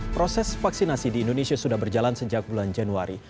proses vaksinasi di indonesia sudah berjalan sejak bulan januari